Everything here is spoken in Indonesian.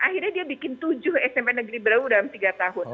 akhirnya dia bikin tujuh smp negeri berau dalam tiga tahun